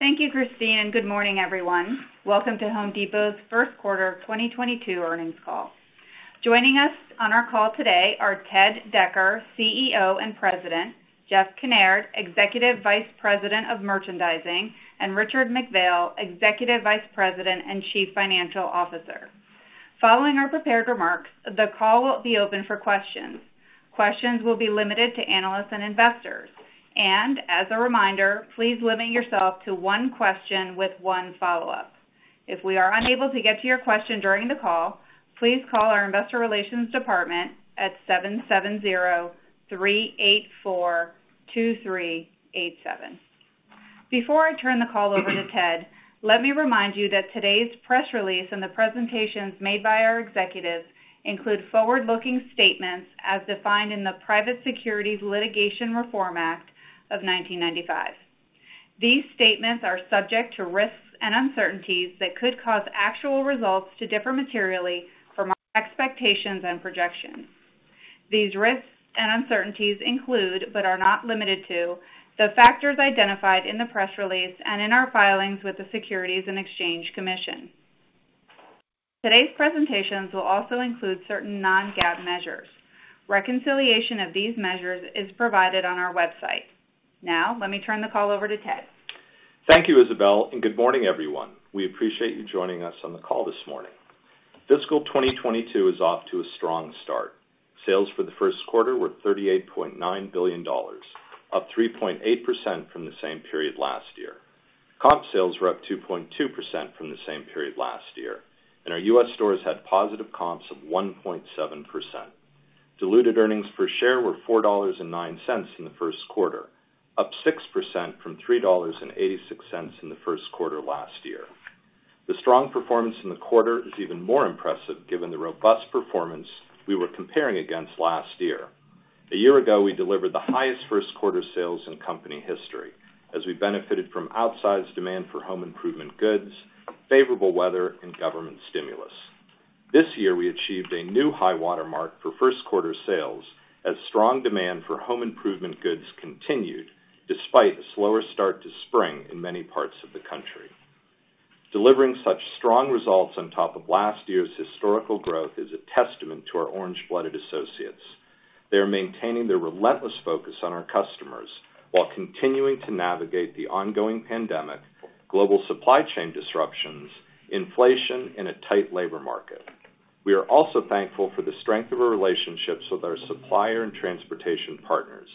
Thank you, Christine. Good morning, everyone. Welcome to The Home Depot's first quarter of 2022 earnings call. Joining us on our call today are Ted Decker, CEO and President, Jeff Kinnaird, Executive Vice President of Merchandising, and Richard McPhail, Executive Vice President and Chief Financial Officer. Following our prepared remarks, the call will be open for questions. Questions will be limited to analysts and investors. As a reminder, please limit yourself to one question with one follow-up. If we are unable to get to your question during the call, please call our investor relations department at 770-384-2387. Before I turn the call over to Ted, let me remind you that today's press release and the presentations made by our executives include forward-looking statements as defined in the Private Securities Litigation Reform Act of 1995. These statements are subject to risks and uncertainties that could cause actual results to differ materially from our expectations and projections. These risks and uncertainties include, but are not limited to, the factors identified in the press release and in our filings with the Securities and Exchange Commission. Today's presentations will also include certain non-GAAP measures. Reconciliation of these measures is provided on our website. Now, let me turn the call over to Ted. Thank you, Isabel, and good morning, everyone. We appreciate you joining us on the call this morning. Fiscal 2022 is off to a strong start. Sales for the first quarter were $38.9 billion, up 3.8% from the same period last year. Comp sales were up 2.2% from the same period last year, and our U.S. stores had positive comps of 1.7%. Diluted earnings per share were $4.09 in the first quarter, up 6% from $3.86 in the first quarter last year. The strong performance in the quarter is even more impressive given the robust performance we were comparing against last year. A year ago, we delivered the highest first quarter sales in company history as we benefited from outsized demand for home improvement goods, favorable weather, and government stimulus. This year, we achieved a new high-water mark for first quarter sales as strong demand for home improvement goods continued despite a slower start to spring in many parts of the country. Delivering such strong results on top of last year's historical growth is a testament to our orange-blooded associates. They are maintaining their relentless focus on our customers while continuing to navigate the ongoing pandemic, global supply chain disruptions, inflation, and a tight labor market. We are also thankful for the strength of our relationships with our supplier and transportation partners.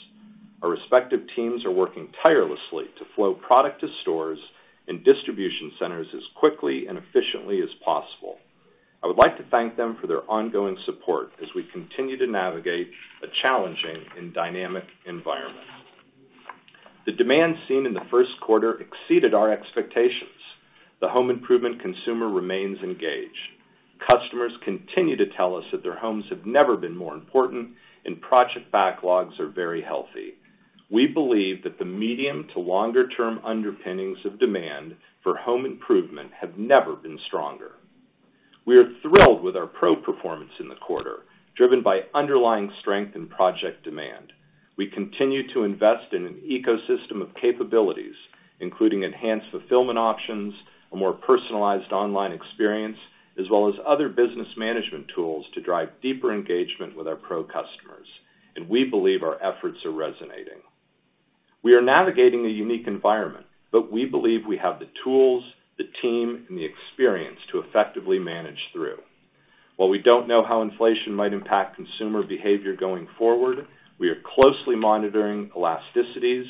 Our respective teams are working tirelessly to flow product to stores and distribution centers as quickly and efficiently as possible. I would like to thank them for their ongoing support as we continue to navigate a challenging and dynamic environment. The demand seen in the first quarter exceeded our expectations. The home improvement consumer remains engaged. Customers continue to tell us that their homes have never been more important and project backlogs are very healthy. We believe that the medium to longer term underpinnings of demand for home improvement have never been stronger. We are thrilled with our pro performance in the quarter, driven by underlying strength in project demand. We continue to invest in an ecosystem of capabilities, including enhanced fulfillment options, a more personalized online experience, as well as other business management tools to drive deeper engagement with our pro customers, and we believe our efforts are resonating. We are navigating a unique environment, but we believe we have the tools, the team, and the experience to effectively manage through. While we don't know how inflation might impact consumer behavior going forward, we are closely monitoring elasticities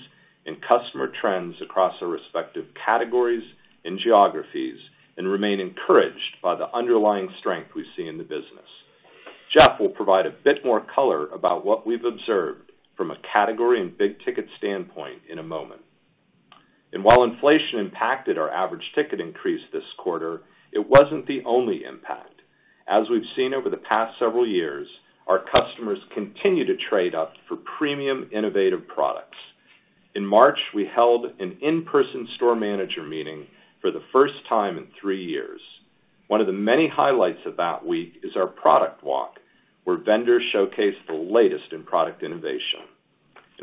and customer trends across our respective categories and geographies and remain encouraged by the underlying strength we see in the business. Jeff will provide a bit more color about what we've observed from a category and big ticket standpoint in a moment. While inflation impacted our average ticket increase this quarter, it wasn't the only impact. As we've seen over the past several years, our customers continue to trade up for premium innovative products. In March, we held an in-person store manager meeting for the first time in three years. One of the many highlights of that week is our product walk, where vendors showcase the latest in product innovation.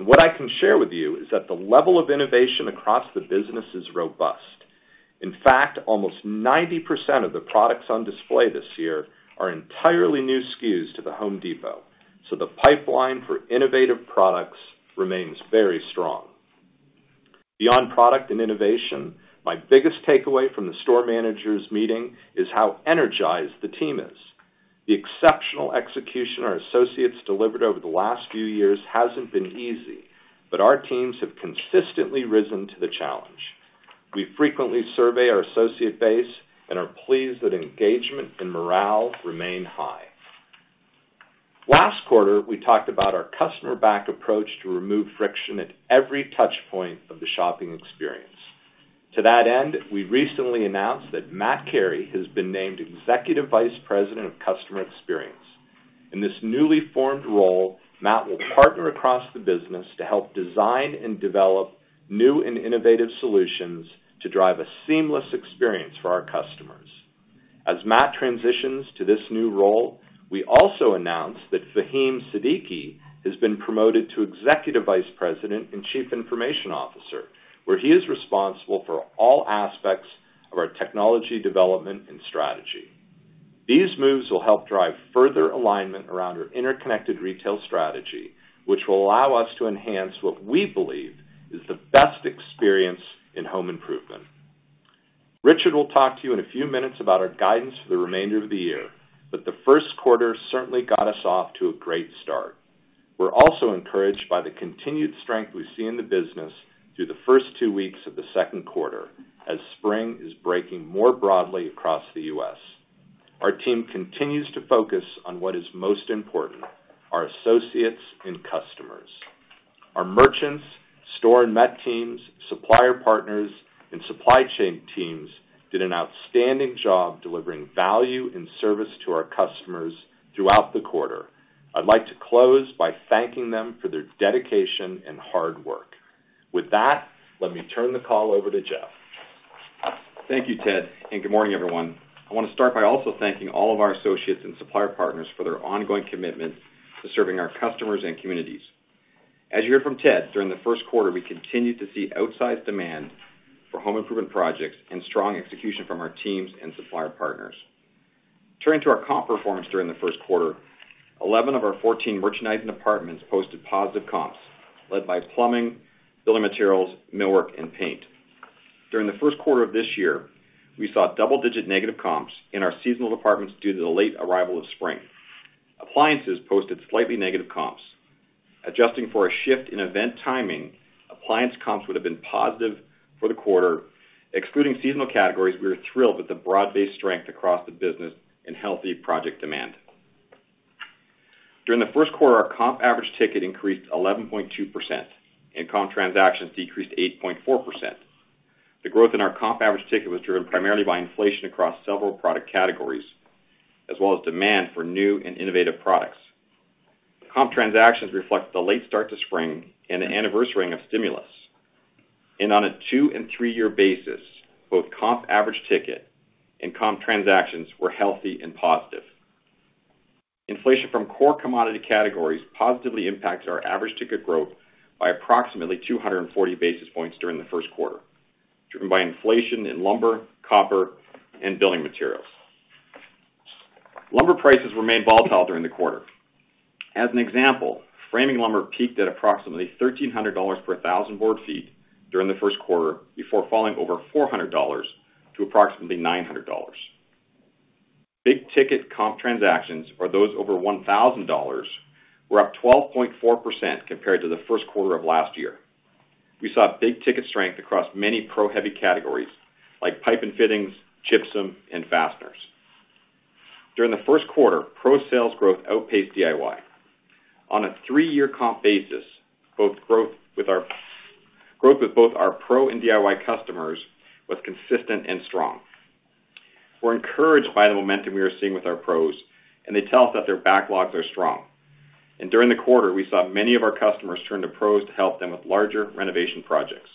What I can share with you is that the level of innovation across the business is robust. In fact, almost 90% of the products on display this year are entirely new SKUs to The Home Depot, so the pipeline for innovative products remains very strong. Beyond product and innovation, my biggest takeaway from the store managers meeting is how energized the team is. The exceptional execution our associates delivered over the last few years hasn't been easy, but our teams have consistently risen to the challenge. We frequently survey our associate base and are pleased that engagement and morale remain high. Last quarter, we talked about our customer-backed approach to remove friction at every touch point of the shopping experience. To that end, we recently announced that Matt Carey has been named Executive Vice President of Customer Experience. In this newly formed role, Matt will partner across the business to help design and develop new and innovative solutions to drive a seamless experience for our customers. As Matt transitions to this new role, we also announced that Fahim Siddiqui has been promoted to Executive Vice President and Chief Information Officer, where he is responsible for all aspects of our technology, development, and strategy. These moves will help drive further alignment around our interconnected retail strategy, which will allow us to enhance what we believe is the best experience in home improvement. Richard will talk to you in a few minutes about our guidance for the remainder of the year, but the first quarter certainly got us off to a great start. We're also encouraged by the continued strength we see in the business through the first two weeks of the second quarter, as spring is breaking more broadly across the U.S. Our team continues to focus on what is most important, our associates and customers. Our merchants, store and merch teams, supplier partners, and supply chain teams did an outstanding job delivering value and service to our customers throughout the quarter. I'd like to close by thanking them for their dedication and hard work. With that, let me turn the call over to Jeff. Thank you, Ted, and good morning, everyone. I wanna start by also thanking all of our associates and supplier partners for their ongoing commitment to serving our customers and communities. As you heard from Ted, during the first quarter, we continued to see outsized demand for home improvement projects and strong execution from our teams and supplier partners. Turning to our comp performance during the first quarter, 11 of our 14 merchandising departments posted positive comps, led by plumbing, building materials, millwork, and paint. During the first quarter of this year, we saw double-digit negative comps in our seasonal departments due to the late arrival of spring. Appliances posted slightly negative comps. Adjusting for a shift in event timing, appliance comps would have been positive for the quarter. Excluding seasonal categories, we are thrilled with the broad-based strength across the business and healthy project demand. During the first quarter, our comp average ticket increased 11.2%, and comp transactions decreased 8.4%. The growth in our comp average ticket was driven primarily by inflation across several product categories, as well as demand for new and innovative products. Comp transactions reflect the late start to spring and the anniversary-ing of stimulus. On a two and three year basis, both comp average ticket and comp transactions were healthy and positive. Inflation from core commodity categories positively impacted our average ticket growth by approximately 240 basis points during the first quarter, driven by inflation in lumber, copper, and building materials. Lumber prices remained volatile during the quarter. As an example, framing lumber peaked at approximately $1,300 per 1,000 board feet during the first quarter, before falling over $400 to approximately $900. Big-ticket comp transactions, or those over $1,000, were up 12.4% compared to the first quarter of last year. We saw big ticket strength across many pro heavy categories like pipe and fittings, gypsum, and fasteners. During the first quarter, pro sales growth outpaced DIY. On a three-year comp basis, growth with both our pro and DIY customers was consistent and strong. We're encouraged by the momentum we are seeing with our pros, and they tell us that their backlogs are strong. During the quarter, we saw many of our customers turn to pros to help them with larger renovation projects.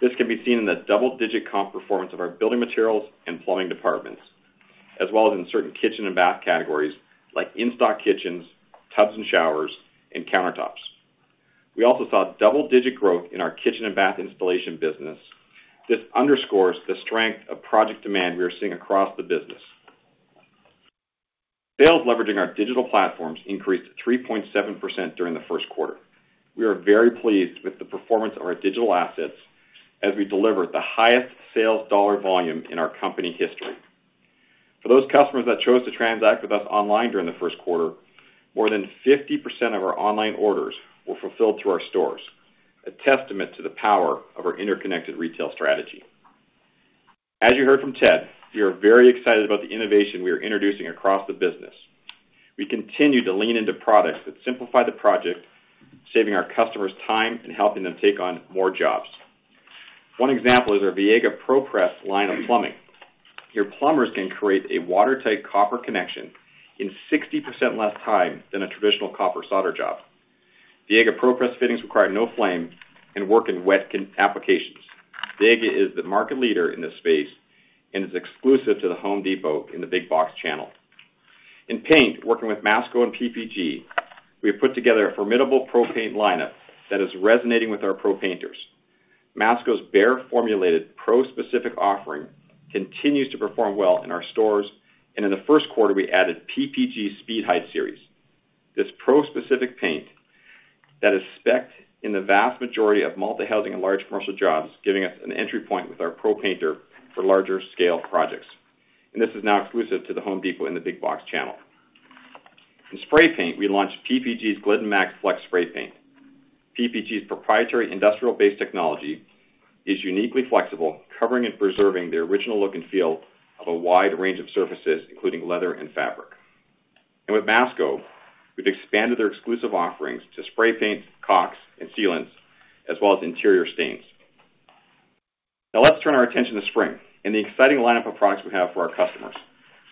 This can be seen in the double-digit comp performance of our building materials and plumbing departments, as well as in certain kitchen and bath categories like in-stock kitchens, tubs and showers, and countertops. We also saw double-digit growth in our kitchen and bath installation business. This underscores the strength of project demand we are seeing across the business. Sales leveraging our digital platforms increased 3.7% during the first quarter. We are very pleased with the performance of our digital assets as we delivered the highest sales dollar volume in our company history. For those customers that chose to transact with us online during the first quarter, more than 50% of our online orders were fulfilled through our stores, a testament to the power of our interconnected retail strategy. As you heard from Ted, we are very excited about the innovation we are introducing across the business. We continue to lean into products that simplify the project, saving our customers time and helping them take on more jobs. One example is our Viega ProPress line of plumbing. Your plumbers can create a watertight copper connection in 60% less time than a traditional copper solder job. Viega ProPress fittings require no flame and work in wet conditions applications. Viega is the market leader in this space and is exclusive to The Home Depot in the big box channel. In paint, working with Masco and PPG, we have put together a formidable pro paint lineup that is resonating with our pro painters. Masco's Behr-formulated pro-specific offering continues to perform well in our stores. In the first quarter, we added PPG Speedhide series. This pro-specific paint that is spec'd in the vast majority of multi-housing and large commercial jobs, giving us an entry point with our pro painter for larger scale projects. This is now exclusive to The Home Depot in the big box channel. In spray paint, we launched PPG's Glidden MAX FLEX spray paint. PPG's proprietary industrial-based technology is uniquely flexible, covering and preserving the original look and feel of a wide range of surfaces, including leather and fabric. With Masco, we've expanded their exclusive offerings to spray paint, caulk, and sealants, as well as interior stains. Now, let's turn our attention to spring and the exciting lineup of products we have for our customers.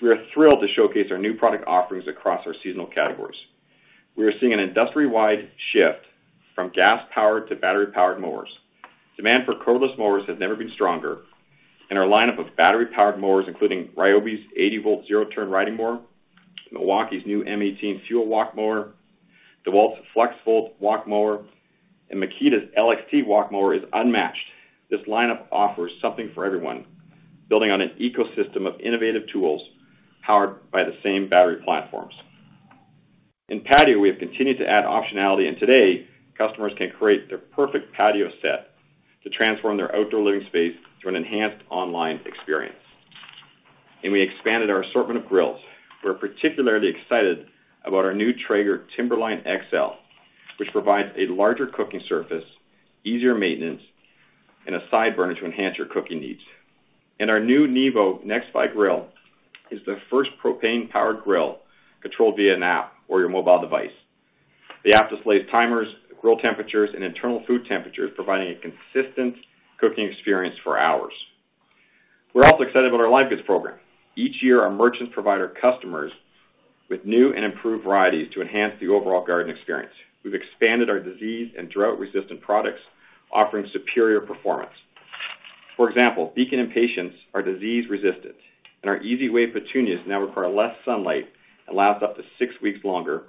We are thrilled to showcase our new product offerings across our seasonal categories. We are seeing an industry-wide shift from gas-powered to battery-powered mowers. Demand for cordless mowers has never been stronger, and our lineup of battery-powered mowers, including RYOBI's 80-volt zero-turn riding mower, Milwaukee's new M18 FUEL walk mower, DEWALT's FLEXVOLT walk mower, and Makita's LXT walk mower is unmatched. This lineup offers something for everyone, building on an ecosystem of innovative tools powered by the same battery platforms. In patio, we have continued to add optionality, and today, customers can create their perfect patio set to transform their outdoor living space through an enhanced online experience. We expanded our assortment of grills. We're particularly excited about our new Traeger Timberline XL, which provides a larger cooking surface, easier maintenance, and a side burner to enhance your cooking needs. Our new Neevo by Nexgrill is the first propane-powered grill controlled via an app or your mobile device. The app displays timers, grill temperatures, and internal food temperatures, providing a consistent cooking experience for hours. We're also excited about our Live Goods program. Each year, our merchants provide our customers with new and improved varieties to enhance the overall garden experience. We've expanded our disease and drought-resistant products, offering superior performance. For example, Beacon Impatiens are disease-resistant, and our Easy Wave petunias now require less sunlight and last up to six weeks longer.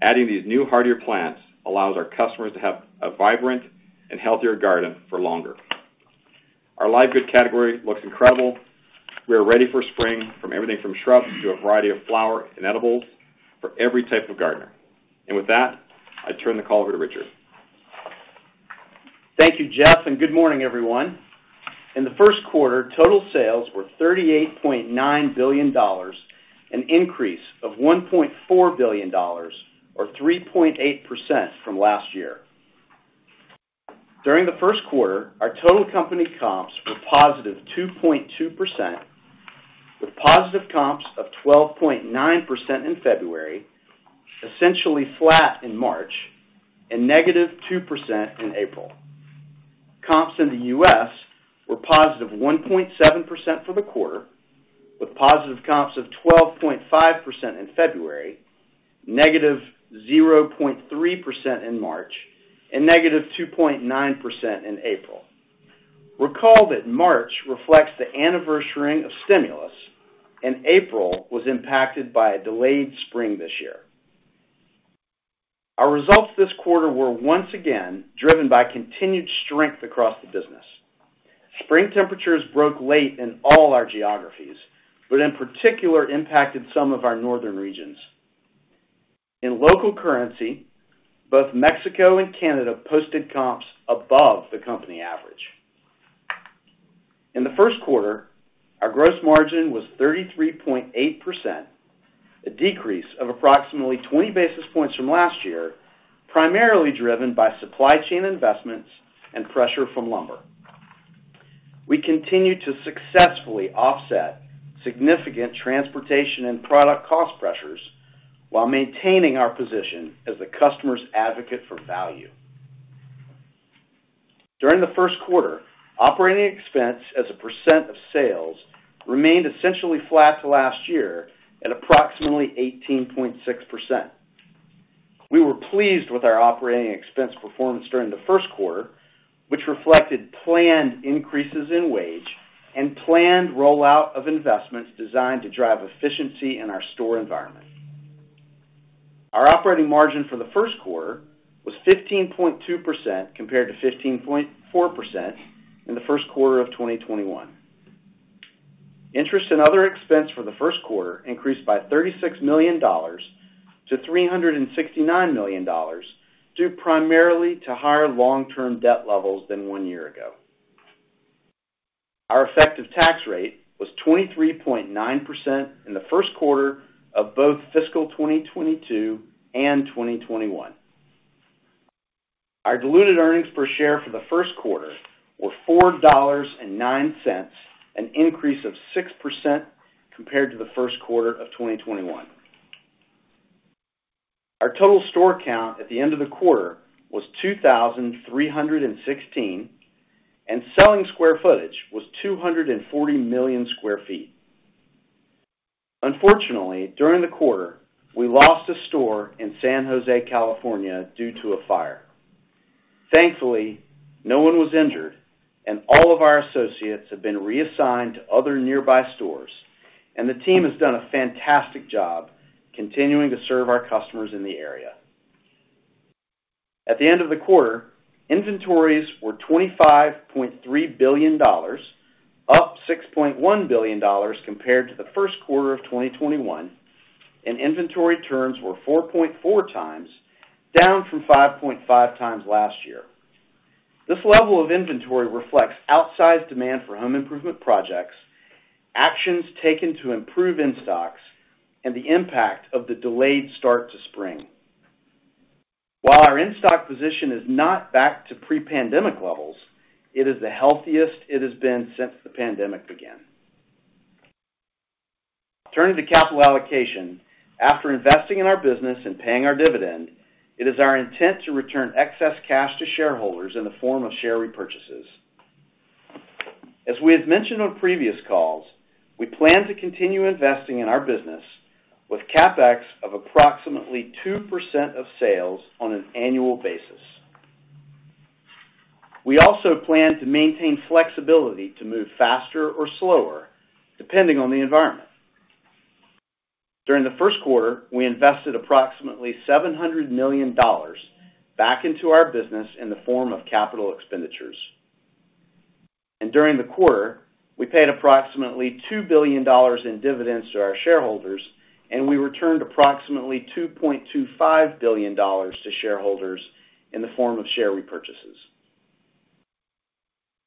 Adding these new heartier plants allows our customers to have a vibrant and healthier garden for longer. Our Live Goods category looks incredible. We are ready for spring from everything from shrubs to a variety of flowers and edibles for every type of gardener. With that, I turn the call over to Richard. Thank you, Jeff, and good morning, everyone. In the first quarter, total sales were $38.9 billion, an increase of $1.4 billion or 3.8% from last year. During the first quarter, our total company comps were +2.2%, with positive comps of 12.9% in February, essentially flat in March, and -2% in April. Comps in the U.S. were +1.7% for the quarter, with positive comps of 12.5% in February, -0.3% in March, and -2.9% in April. Recall that March reflects the anniversarying of stimulus, and April was impacted by a delayed spring this year. Our results this quarter were once again driven by continued strength across the business. Spring temperatures broke late in all our geographies, but in particular impacted some of our northern regions. In local currency, both Mexico and Canada posted comps above the company average. In the first quarter, our gross margin was 33.8%, a decrease of approximately 20 basis points from last year, primarily driven by supply chain investments and pressure from lumber. We continue to successfully offset significant transportation and product cost pressures while maintaining our position as the customer's advocate for value. During the first quarter, operating expense as a percent of sales remained essentially flat to last year at approximately 18.6%. We were pleased with our operating expense performance during the first quarter, which reflected planned increases in wage and planned rollout of investments designed to drive efficiency in our store environment. Our operating margin for the first quarter was 15.2% compared to 15.4% in the first quarter of 2021. Interest and other expense for the first quarter increased by $36 million to $369 million, due primarily to higher long-term debt levels than one year ago. Our effective tax rate was 23.9% in the first quarter of both fiscal 2022 and 2021. Our diluted earnings per share for the first quarter were $4.09, an increase of 6% compared to the first quarter of 2021. Our total store count at the end of the quarter was 2,316, and selling square footage was 240 million sq ft. Unfortunately, during the quarter, we lost a store in San Jose, California, due to a fire. Thankfully, no one was injured and all of our associates have been reassigned to other nearby stores, and the team has done a fantastic job continuing to serve our customers in the area. At the end of the quarter, inventories were $25.3 billion, up $6.1 billion compared to the first quarter of 2021, and inventory turns were 4.4x, down from 5.5x last year. This level of inventory reflects outsized demand for home improvement projects, actions taken to improve in-stocks, and the impact of the delayed start to spring. While our in-stock position is not back to pre-pandemic levels, it is the healthiest it has been since the pandemic began. Turning to capital allocation, after investing in our business and paying our dividend, it is our intent to return excess cash to shareholders in the form of share repurchases. As we have mentioned on previous calls, we plan to continue investing in our business with CapEx of approximately 2% of sales on an annual basis. We also plan to maintain flexibility to move faster or slower depending on the environment. During the first quarter, we invested approximately $700 million back into our business in the form of capital expenditures. During the quarter, we paid approximately $2 billion in dividends to our shareholders, and we returned approximately $2.25 billion to shareholders in the form of share repurchases.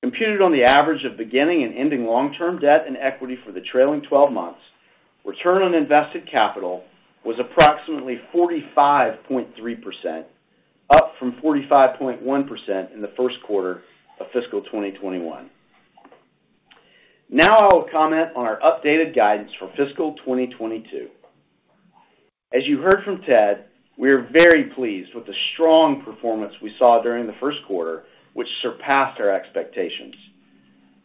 Computed on the average of beginning and ending long-term debt and equity for the trailing 12 months, return on invested capital was approximately 45.3%, up from 45.1% in the first quarter of fiscal 2021. Now I will comment on our updated guidance for fiscal 2022. As you heard from Ted, we are very pleased with the strong performance we saw during the first quarter, which surpassed our expectations.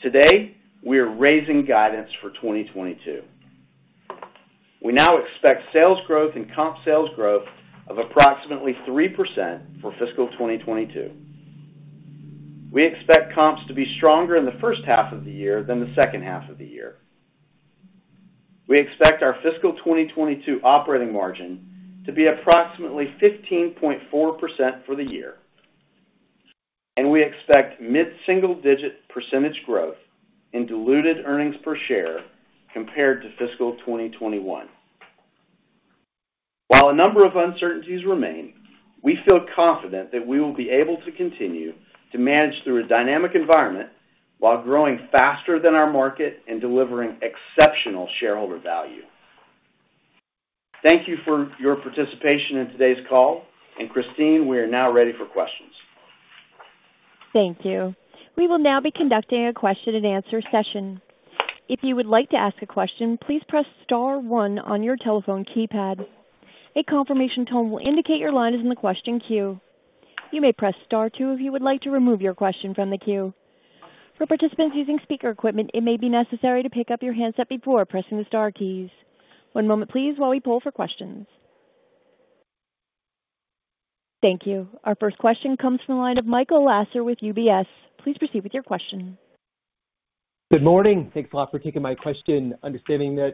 Today, we are raising guidance for 2022. We now expect sales growth and comp sales growth of approximately 3% for fiscal 2022. We expect comps to be stronger in the first half of the year than the second half of the year. We expect our fiscal 2022 operating margin to be approximately 15.4% for the year, and we expect mid-single digit percentage growth in diluted earnings per share compared to fiscal 2021. While a number of uncertainties remain, we feel confident that we will be able to continue to manage through a dynamic environment while growing faster than our market and delivering exceptional shareholder value. Thank you for your participation in today's call, and Christine, we are now ready for questions. Thank you. We will now be conducting a question-and-answer session. If you would like to ask a question, please press star one on your telephone keypad. A confirmation tone will indicate your line is in the question queue. You may press star two if you would like to remove your question from the queue. For participants using speaker equipment, it may be necessary to pick up your handset before pressing the star keys. One moment please while we poll for questions. Thank you. Our first question comes from the line of Michael Lasser with UBS. Please proceed with your question. Good morning. Thanks a lot for taking my question. Understanding that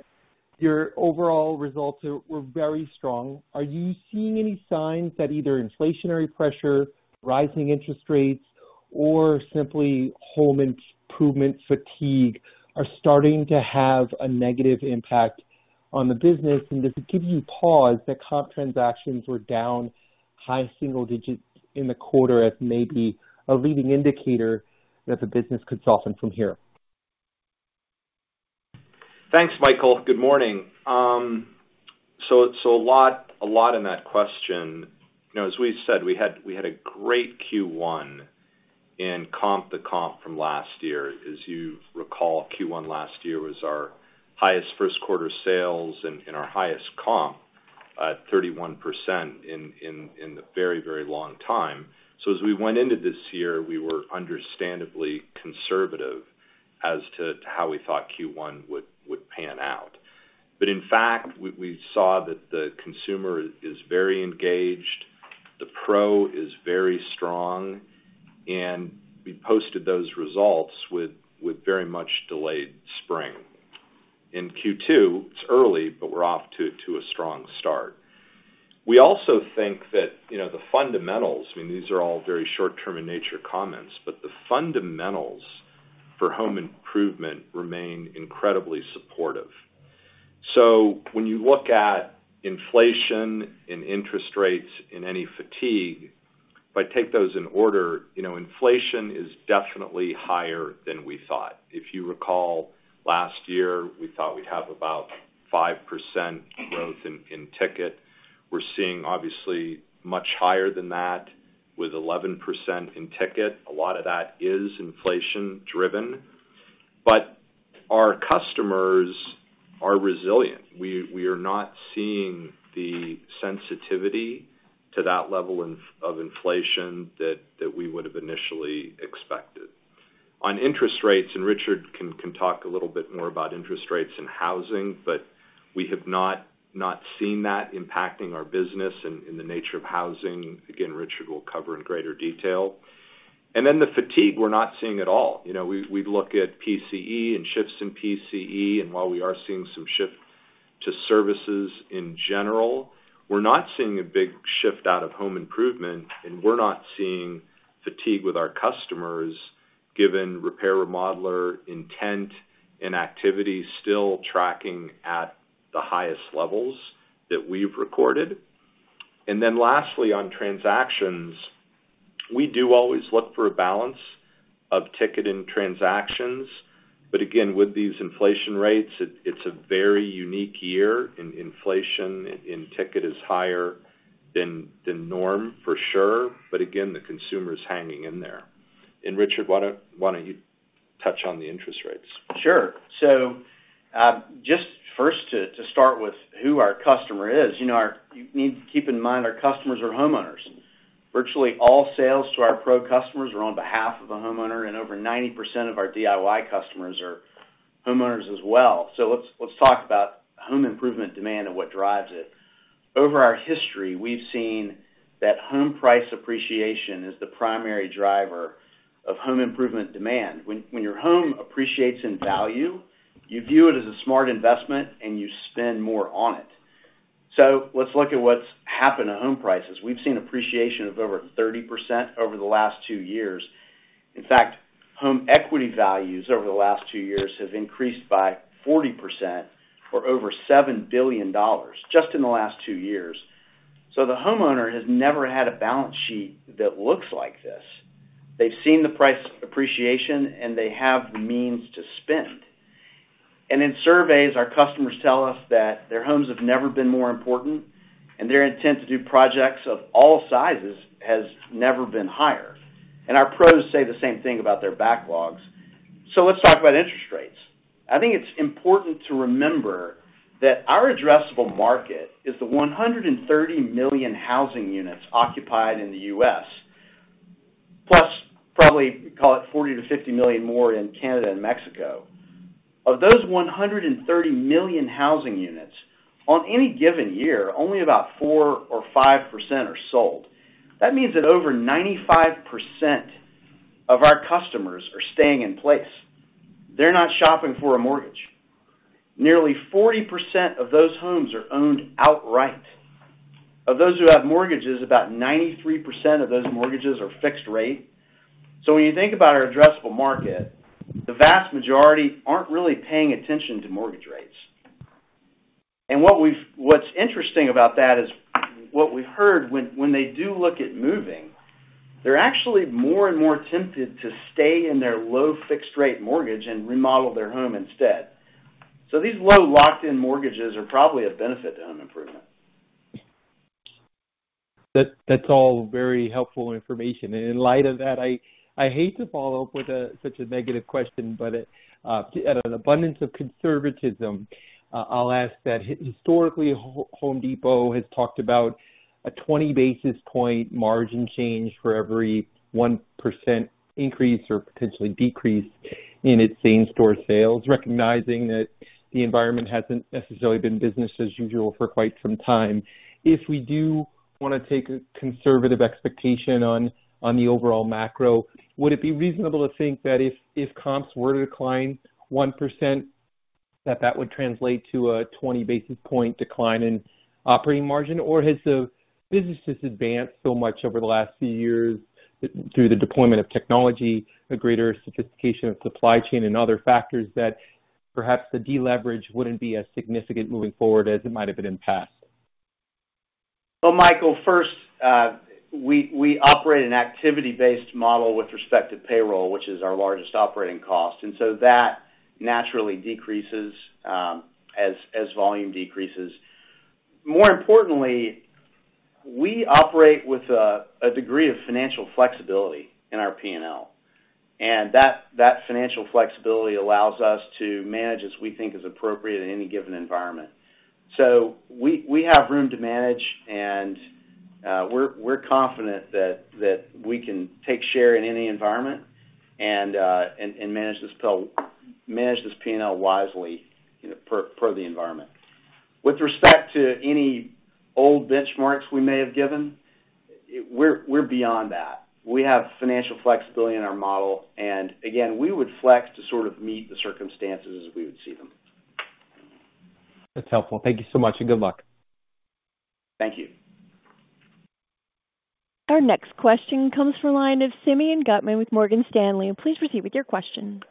your overall results were very strong, are you seeing any signs that either inflationary pressure, rising interest rates, or simply home improvement fatigue are starting to have a negative impact on the business? Does it give you pause that comp transactions were down high single digits in the quarter as maybe a leading indicator that the business could soften from here? Thanks, Michael. Good morning. A lot in that question. You know, as we said, we had a great Q1 in comp-to-comp from last year. As you recall, Q1 last year was our highest first quarter sales and our highest comp at 31% in a very long time. As we went into this year, we were understandably conservative as to how we thought Q1 would pan out. In fact, we saw that the consumer is very engaged, the pro is very strong, and we posted those results with very much delayed spring. In Q2, it's early, but we're off to a strong start. We also think that, you know, the fundamentals, I mean, these are all very short term in nature comments, but the fundamentals for home improvement remain incredibly supportive. When you look at inflation and interest rates and any fatigue, if I take those in order, you know, inflation is definitely higher than we thought. If you recall, last year, we thought we'd have about 5% growth in ticket. We're seeing obviously much higher than that with 11% in ticket. A lot of that is inflation-driven, but our customers are resilient. We are not seeing the sensitivity to that level of inflation that we would have initially expected. On interest rates, and Richard can talk a little bit more about interest rates and housing, but we have not seen that impacting our business in the nature of housing. Again, Richard will cover in greater detail. Then the fatigue we're not seeing at all. You know, we look at PCE and shifts in PCE, and while we are seeing some shift to services in general, we're not seeing a big shift out of home improvement, and we're not seeing fatigue with our customers given repair remodeler intent and activity still tracking at the highest levels that we've recorded. Then lastly, on transactions, we do always look for a balance of ticket in transactions. Again, with these inflation rates, it's a very unique year, and inflation in ticket is higher than norm for sure. Again, the consumer's hanging in there. Richard, why don't you touch on the interest rates? Sure. To start with who our customer is, you know, you need to keep in mind our customers are homeowners. Virtually all sales to our pro customers are on behalf of a homeowner, and over 90% of our DIY customers are homeowners as well. Let's talk about home improvement demand and what drives it. Over our history, we've seen that home price appreciation is the primary driver of home improvement demand. When your home appreciates in value, you view it as a smart investment, and you spend more on it. Let's look at what's happened to home prices. We've seen appreciation of over 30% over the last two years. In fact, home equity values over the last two years have increased by 40% or over $7 billion just in the last two years. The homeowner has never had a balance sheet that looks like this. They've seen the price appreciation, and they have the means to spend. In surveys, our customers tell us that their homes have never been more important, and their intent to do projects of all sizes has never been higher. Our pros say the same thing about their backlogs. Let's talk about interest rates. I think it's important to remember that our addressable market is the 130 million housing units occupied in the U.S., plus probably, call it 40 million-50 million more in Canada and Mexico. Of those 130 million housing units, on any given year, only about 4%-5% are sold. That means that over 95% of our customers are staying in place. They're not shopping for a mortgage. Nearly 40% of those homes are owned outright. Of those who have mortgages, about 93% of those mortgages are fixed rate. When you think about our addressable market, the vast majority aren't really paying attention to mortgage rates. What's interesting about that is what we've heard when they do look at moving, they're actually more and more tempted to stay in their low fixed rate mortgage and remodel their home instead. These low locked in mortgages are probably a benefit to home improvement. That's all very helpful information. In light of that, I hate to follow up with such a negative question, but out of an abundance of conservatism, I'll ask that historically, Home Depot has talked about a 20 basis point margin change for every 1% increase or potentially decrease in its same store sales, recognizing that the environment hasn't necessarily been business as usual for quite some time. If we do wanna take a conservative expectation on the overall macro, would it be reasonable to think that if comps were to decline 1%, that would translate to a 20 basis point decline in operating margin? Has the businesses advanced so much over the last few years through the deployment of technology, a greater sophistication of supply chain and other factors that perhaps the deleverage wouldn't be as significant moving forward as it might have been in past? Well, Michael, first, we operate an activity-based model with respect to payroll, which is our largest operating cost, and so that naturally decreases as volume decreases. More importantly, we operate with a degree of financial flexibility in our P&L, and that financial flexibility allows us to manage as we think is appropriate in any given environment. We have room to manage, and we're confident that we can take share in any environment and manage this P&L wisely, you know, per the environment. With respect to any old benchmarks we may have given, we're beyond that. We have financial flexibility in our model, and again, we would flex to sort of meet the circumstances as we would see them. That's helpful. Thank you so much, and good luck. Thank you. Our next question comes from the line of Simeon Gutman with Morgan Stanley. Please proceed with your question.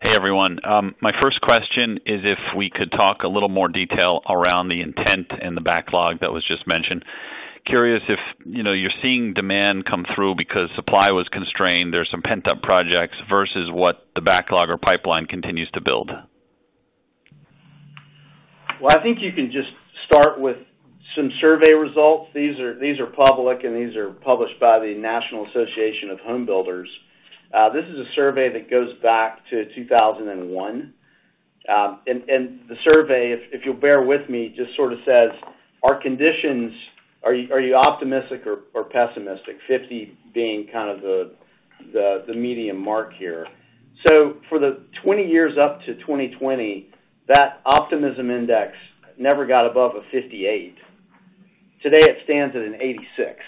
Hey, everyone. My first question is if we could talk a little more detail around the intent and the backlog that was just mentioned. Curious if, you know, you're seeing demand come through because supply was constrained, there's some pent-up projects versus what the backlog or pipeline continues to build. Well, I think you can just start with some survey results. These are public, and these are published by the National Association of Home Builders. This is a survey that goes back to 2001. The survey, if you'll bear with me, just sort of says, are you optimistic or pessimistic? 50 being kind of the median mark here. For the 20 years up to 2020, that optimism index never got above a 58. Today it stands at an 86.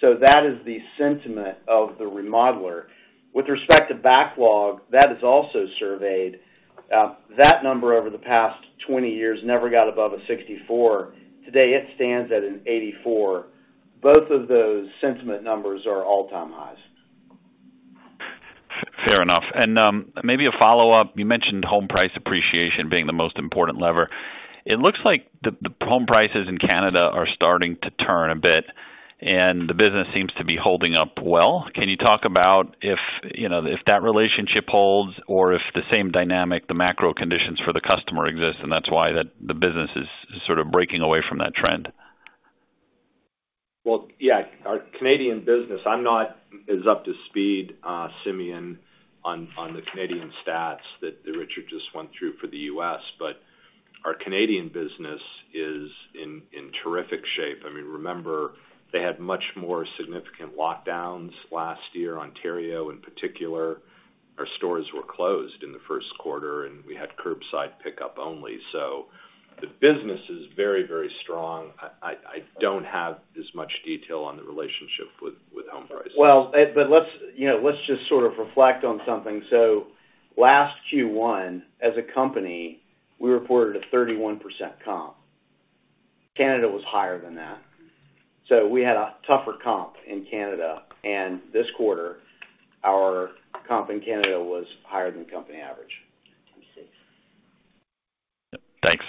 That is the sentiment of the remodeler. With respect to backlog, that is also surveyed. That number over the past 20 years never got above a 64. Today it stands at an 84. Both of those sentiment numbers are all-time highs. Fair enough. Maybe a follow-up. You mentioned home price appreciation being the most important lever. It looks like the home prices in Canada are starting to turn a bit, and the business seems to be holding up well. Can you talk about if, you know, if that relationship holds or if the same dynamic, the macro conditions for the customer exists, and that's why the business is sort of breaking away from that trend? Yeah, our Canadian business, I'm not as up to speed, Simeon, on the Canadian stats that Richard just went through for the U.S., but our Canadian business is in terrific shape. I mean, remember, they had much more significant lockdowns last year. Ontario, in particular, our stores were closed in the first quarter, and we had curbside pickup only. The business is very, very strong. I don't have as much detail on the relationship with home prices. Well, let's, you know, let's just sort of reflect on something. Last Q1, as a company, we reported a 31% comp. Canada was higher than that. We had a tougher comp in Canada, and this quarter, our comp in Canada was higher than company average. I see. Thanks.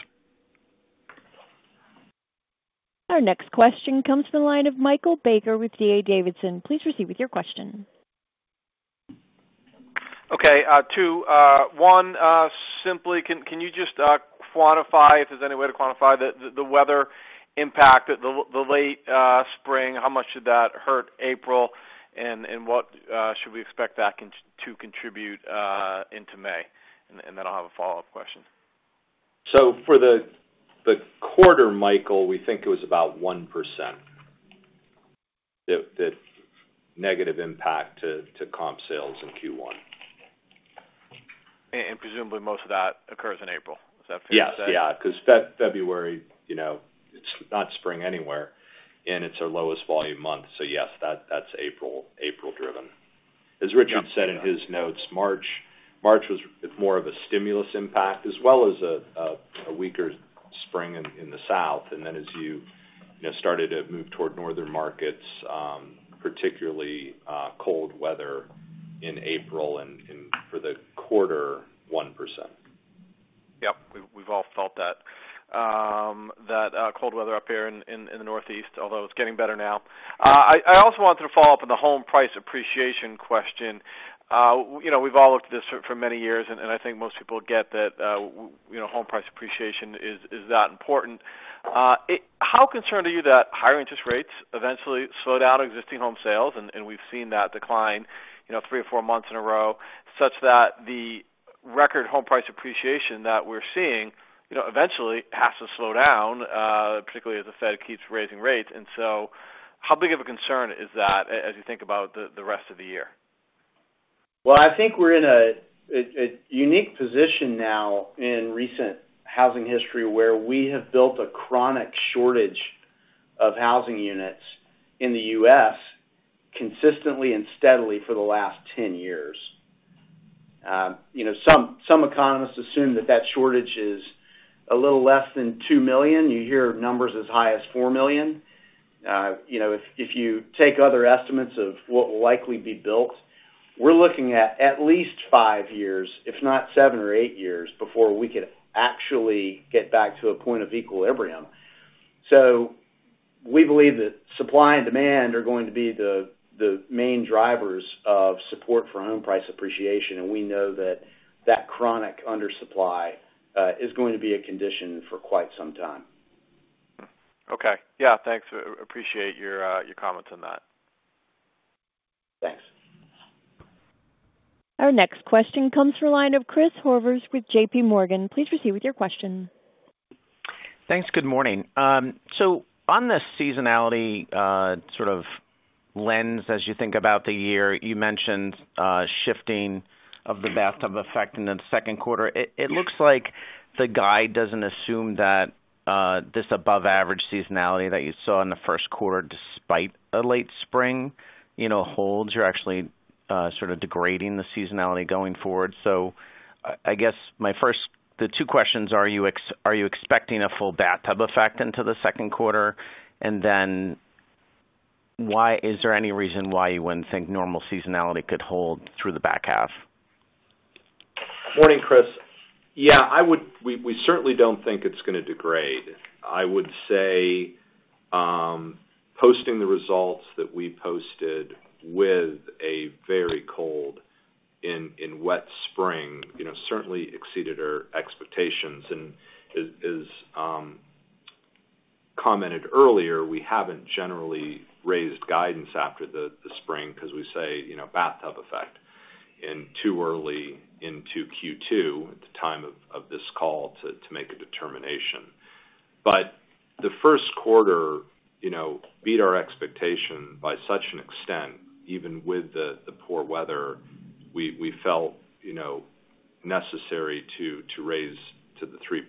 Our next question comes from the line of Michael Baker with D.A. Davidson. Please proceed with your question. Okay, two. One, simply, can you just quantify, if there's any way to quantify the weather impact in the late spring? How much did that hurt April? What should we expect that continue to contribute into May? Then I'll have a follow-up question. For the quarter, Michael, we think it was about 1% the negative impact to comp sales in Q1. Presumably, most of that occurs in April. Is that fair to say? Yes. Yeah, because February, you know, it's not spring anywhere, and it's our lowest volume month. Yes, that's April driven. As Richard said in his notes, March was more of a stimulus impact as well as a weaker spring in the South. Then as you know, started to move toward northern markets, particularly cold weather in April and for the quarter, 1%. Yep. We've all felt that cold weather up here in the Northeast, although it's getting better now. I also wanted to follow up on the home price appreciation question. You know, we've all looked at this for many years, and I think most people get that, you know, home price appreciation is that important. How concerned are you that higher interest rates eventually slow down existing home sales? We've seen that decline, you know, three or four months in a row, such that the record home price appreciation that we're seeing, you know, eventually has to slow down, particularly as the Fed keeps raising rates. How big of a concern is that as you think about the rest of the year? Well, I think we're in a unique position now in recent housing history, where we have built a chronic shortage of housing units in the US consistently and steadily for the last 10 years. You know, some economists assume that shortage is a little less than 2 million. You hear numbers as high as 4 million. You know, if you take other estimates of what will likely be built, we're looking at least five years, if not seven or eight years, before we could actually get back to a point of equilibrium. We believe that supply and demand are going to be the main drivers of support for home price appreciation, and we know that chronic undersupply is going to be a condition for quite some time. Okay. Yeah, thanks. We appreciate your comments on that. Thanks. Our next question comes from the line of Christopher Horvers with JPMorgan. Please proceed with your question. Thanks. Good morning. So on the seasonality, sort of lens as you think about the year, you mentioned shifting of the bathtub effect in the second quarter. It looks like the guide doesn't assume that this above average seasonality that you saw in the first quarter, despite a late spring, you know, holds. You're actually sort of degrading the seasonality going forward. I guess the two questions, are you expecting a full bathtub effect into the second quarter? And then is there any reason why you wouldn't think normal seasonality could hold through the back half? Morning, Chris. Yeah, I would—we certainly don't think it's gonna degrade. I would say posting the results that we posted with a very cold and wet spring, you know, certainly exceeded our expectations. As commented earlier, we haven't generally raised guidance after the spring because we say, you know, bathtub effect and too early into Q2 at the time of this call to make a determination. The first quarter, you know, beat our expectation by such an extent, even with the poor weather, we felt, you know, necessary to raise to the 3%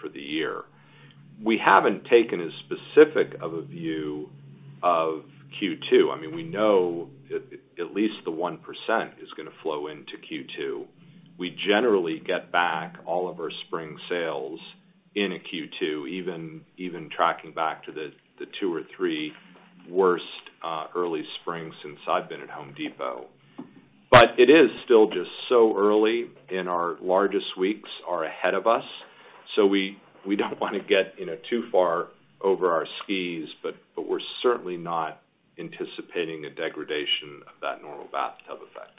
for the year. We haven't taken as specific of a view of Q2. I mean, we know at least the 1% is gonna flow into Q2. We generally get back all of our spring sales in a Q2, even tracking back to the two or three worst early spring since I've been at Home Depot. It is still just so early and our largest weeks are ahead of us, so we don't wanna get, you know, too far over our skis, but we're certainly not anticipating a degradation of that normal bathtub effect.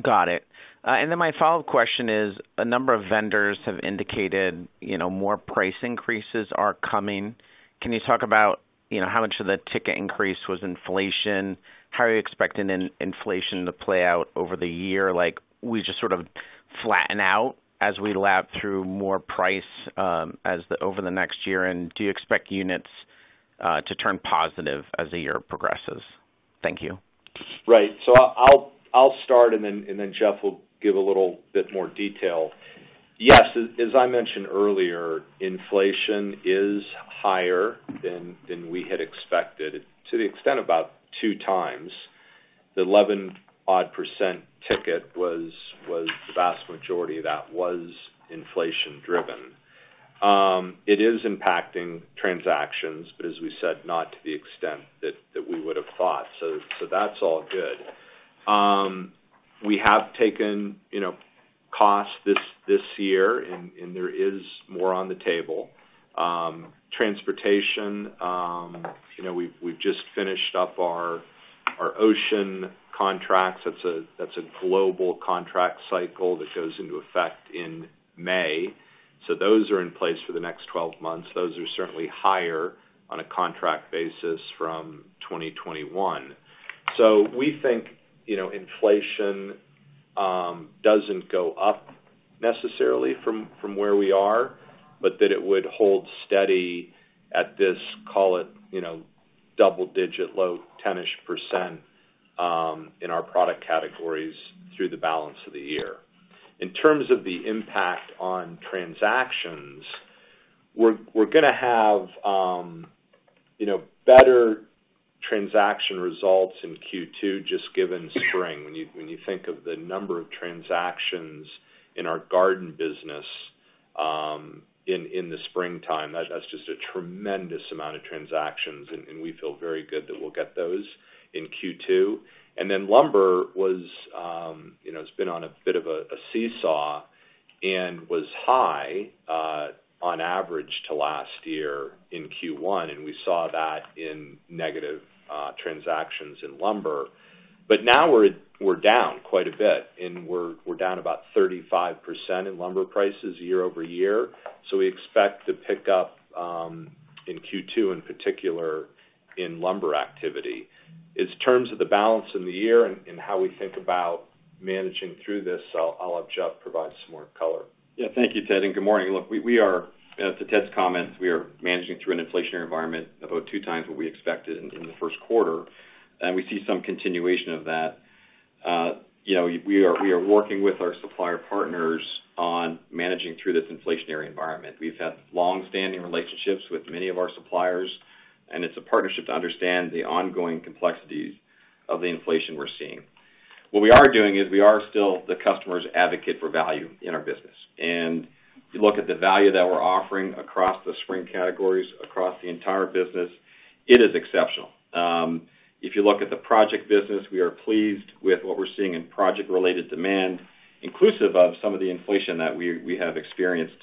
Got it. My follow-up question is: a number of vendors have indicated, you know, more price increases are coming. Can you talk about, you know, how much of the ticket increase was inflation? How are you expecting inflation to play out over the year? Like, we just sort of flatten out as we lap through more price over the next year. Do you expect units to turn positive as the year progresses? Thank you. Right. I'll start, and then Jeff will give a little bit more detail. Yes, as I mentioned earlier, inflation is higher than we had expected to the extent about two times. The 11-odd% ticket was the vast majority of that was inflation-driven. It is impacting transactions, but as we said, not to the extent that we would have thought. That's all good. We have taken you know costs this year and there is more on the table. Transportation you know we've just finished up our ocean contracts. That's a global contract cycle that goes into effect in May. Those are in place for the next 12 months. Those are certainly higher on a contract basis from 2021. We think inflation doesn't go up necessarily from where we are, but that it would hold steady at this, call it, double digit, low 10-ish% in our product categories through the balance of the year. In terms of the impact on transactions, we're gonna have better transaction results in Q2, just given spring. When you think of the number of transactions in our garden business in the springtime, that's just a tremendous amount of transactions, and we feel very good that we'll get those in Q2. Then lumber was, it's been on a bit of a seesaw and was high on average to last year in Q1, and we saw that in negative transactions in lumber. Now we're down quite a bit, and we're down about 35% in lumber prices year-over-year. We expect to pick up in Q2, in particular, in lumber activity. In terms of the balance in the year and how we think about managing through this, I'll have Jeff provide some more color. Yeah. Thank you, Ted, and good morning. To Ted's comments, we are managing through an inflationary environment about two times what we expected in the first quarter, and we see some continuation of that. You know, we are working with our supplier partners on managing through this inflationary environment. We've had long-standing relationships with many of our suppliers, and it's a partnership to understand the ongoing complexities of the inflation we're seeing. What we are doing is we are still the customer's advocate for value in our business. If you look at the value that we're offering across the spring categories, across the entire business, it is exceptional. If you look at the project business, we are pleased with what we're seeing in project-related demand, inclusive of some of the inflation that we have experienced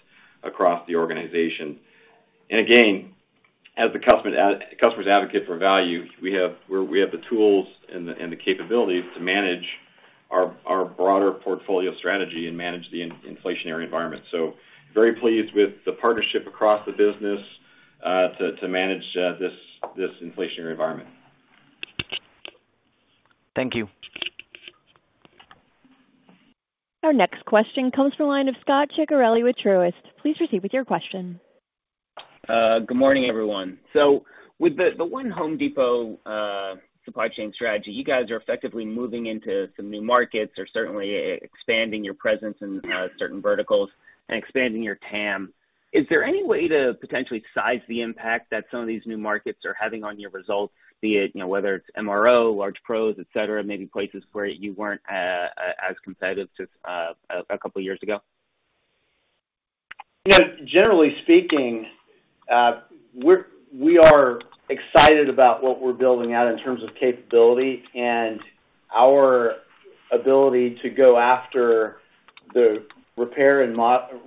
across the organization. Again, as the customer's advocate for value, we have the tools and the capabilities to manage our broader portfolio strategy and manage the inflationary environment. Very pleased with the partnership across the business, to manage this inflationary environment. Thank you. Our next question comes from the line of Scot Ciccarelli with Truist. Please proceed with your question. Good morning, everyone. With the One Home Depot supply chain strategy, you guys are effectively moving into some new markets or certainly expanding your presence in certain verticals and expanding your TAM. Is there any way to potentially size the impact that some of these new markets are having on your results, be it, you know, whether it's MRO, large pros, et cetera, maybe places where you weren't as competitive just a couple years ago? You know, generally speaking, we are excited about what we're building out in terms of capability and our ability to go after the repair and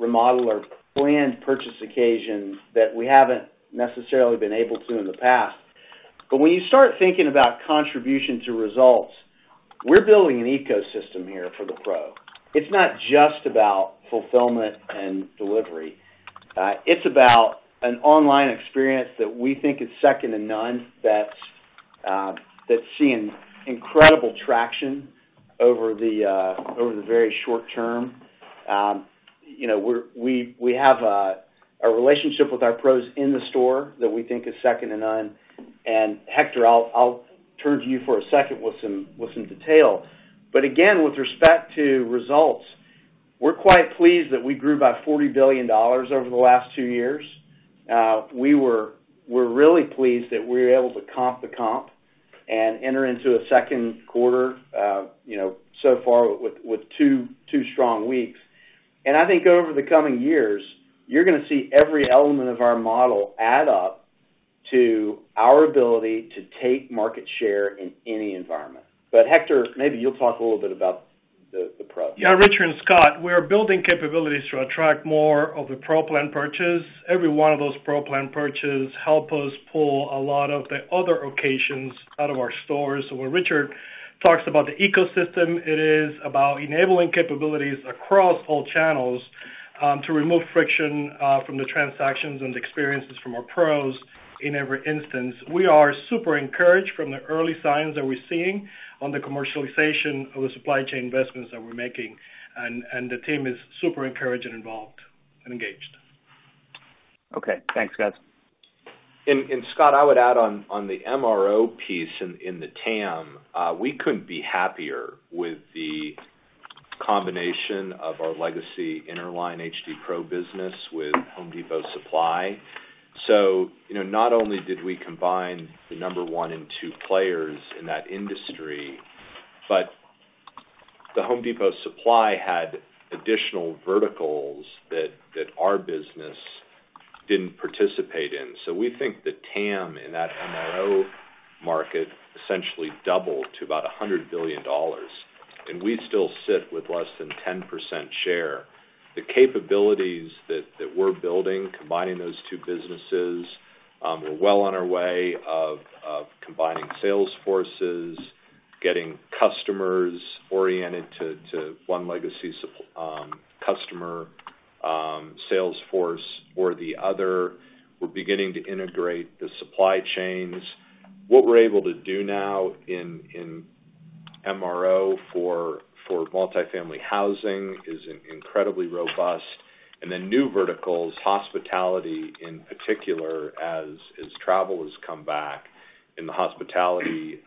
remodel or planned purchase occasions that we haven't necessarily been able to in the past. When you start thinking about contribution to results, we're building an ecosystem here for the pro. It's not just about fulfillment and delivery. It's about an online experience that we think is second to none that's seeing incredible traction over the very short term. You know, we have a relationship with our pros in the store that we think is second to none. Hector, I'll turn to you for a second with some detail. Again, with respect to results, we're quite pleased that we grew by $40 billion over the last two years. We're really pleased that we were able to comp-to-comp and enter into a second quarter, you know, so far with two strong weeks. I think over the coming years, you're gonna see every element of our model add up to our ability to take market share in any environment. Hector, maybe you'll talk a little bit about the. Yeah, Richard and Scott, we are building capabilities to attract more of the pro plan purchase. Every one of those pro plan purchase help us pull a lot of the other occasions out of our stores. When Richard talks about the ecosystem, it is about enabling capabilities across all channels to remove friction from the transactions and the experiences from our pros in every instance. We are super encouraged from the early signs that we're seeing on the commercialization of the supply chain investments that we're making, and the team is super encouraged and involved and engaged. Okay. Thanks, guys. Scot, I would add on the MRO piece in the TAM, we couldn't be happier with the combination of our legacy Interline HD Pro business with HD Supply. You know, not only did we combine the one and two players in that industry, but HD Supply had additional verticals that our business didn't participate in. We think the TAM in that MRO market essentially doubled to about $100 billion, and we still sit with less than 10% share. The capabilities that we're building, combining those two businesses, we're well on our way of combining sales forces, getting customers oriented to one legacy customer sales force or the other. We're beginning to integrate the supply chains. What we're able to do now in MRO for multifamily housing is incredibly robust. Then new verticals, hospitality in particular, as travel has come back and the hospitality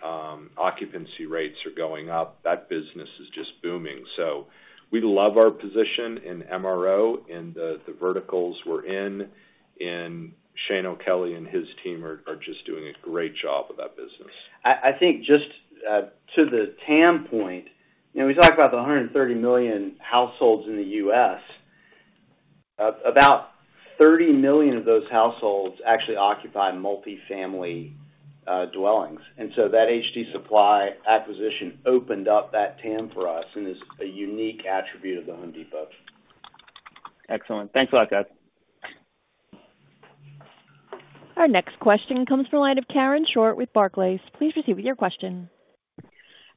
occupancy rates are going up, that business is just booming. We love our position in MRO and the verticals we're in, and Shane O'Kelly and his team are just doing a great job with that business. I think just to the TAM point, you know, we talked about the 130 million households in the U.S. About 30 million of those households actually occupy multifamily dwellings. That HD Supply acquisition opened up that TAM for us and is a unique attribute of The Home Depot. Excellent. Thanks a lot, guys. Our next question comes from the line of Karen Short with Barclays. Please proceed with your question.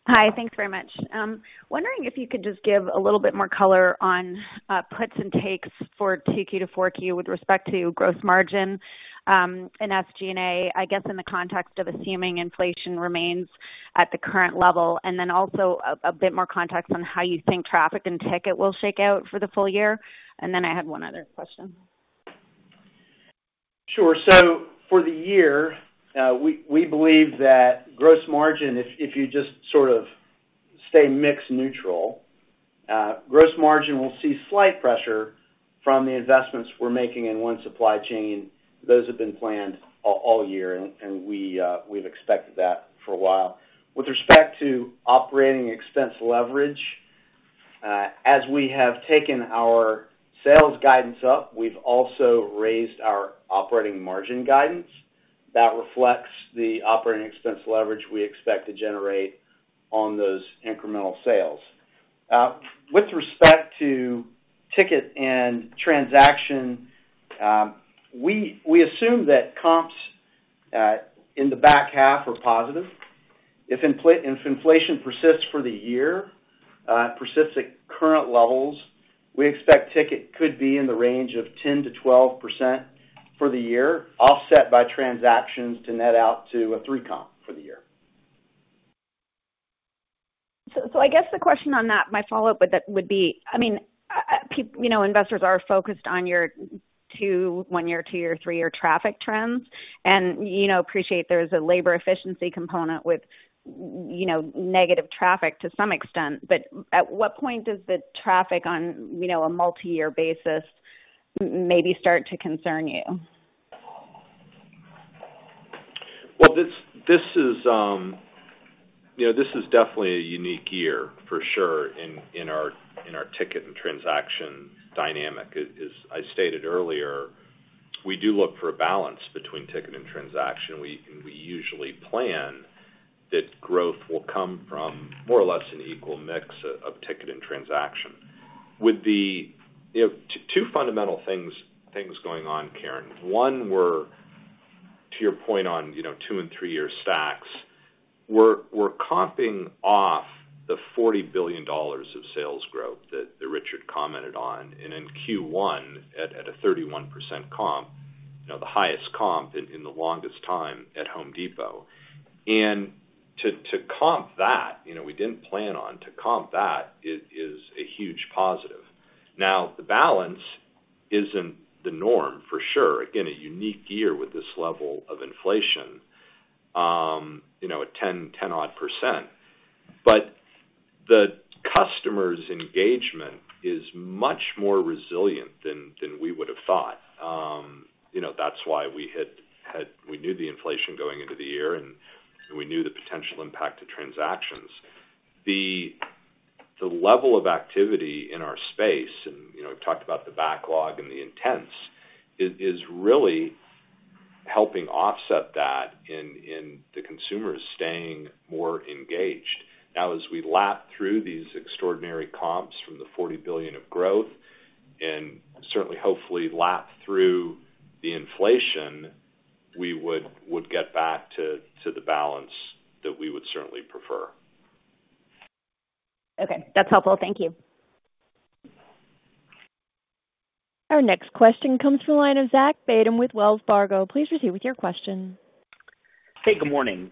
Hi. Thanks very much. Wondering if you could just give a little bit more color on puts and takes for 2Q to 4Q with respect to gross margin and SG&A, I guess, in the context of assuming inflation remains at the current level. Then also a bit more context on how you think traffic and ticket will shake out for the full year. I have one other question. Sure. For the year, we believe that gross margin, if you just sort of stay mix neutral, gross margin will see slight pressure from the investments we're making in One Supply Chain. Those have been planned all year, and we've expected that for a while. With respect to operating expense leverage, as we have taken our sales guidance up, we've also raised our operating margin guidance. That reflects the operating expense leverage we expect to generate on those incremental sales. With respect to ticket and transaction, we assume that comps in the back half are positive. If inflation persists for the year, persists at current levels, we expect ticket could be in the range of 10%-12% for the year, offset by transactions to net out to a 3% comp for the year. I guess the question on that, my follow-up with that would be, I mean, you know, investors are focused on your too, one-year, two-year, three-year traffic trends. You know, I appreciate there's a labor efficiency component with, you know, negative traffic to some extent. At what point does the traffic on, you know, a multiyear basis maybe start to concern you? Well, this is definitely a unique year for sure in our ticket and transaction dynamic. As I stated earlier, we do look for a balance between ticket and transaction. We usually plan that growth will come from more or less an equal mix of ticket and transaction. With the two fundamental things going on, Karen. One, we're to your point on, you know, two and three-year stacks, we're comping off the $40 billion of sales growth that Richard commented on, and in Q1 at a 31% comp, you know, the highest comp in the longest time at The Home Depot. To comp that, you know, we didn't plan on to comp that is a huge positive. Now, the balance isn't the norm for sure. Again, a unique year with this level of inflation, you know, at 10-odd%. The customer's engagement is much more resilient than we would have thought. You know, that's why we knew the inflation going into the year, and we knew the potential impact to transactions. The level of activity in our space, and, you know, we've talked about the backlog and the intents, is really helping offset that in the consumers staying more engaged. Now, as we lap through these extraordinary comps from the $40 billion of growth and certainly hopefully lap through the inflation, we would get back to the balance that we would certainly prefer. Okay. That's helpful. Thank you. Our next question comes from the line of Zachary Fadem with Wells Fargo. Please proceed with your question. Hey, good morning.